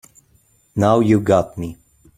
Now you got me.